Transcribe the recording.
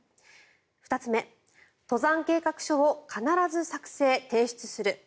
２つ目、登山計画書を必ず作成・提出する。